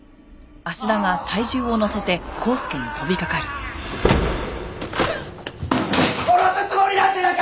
殺すつもりなんてなかった！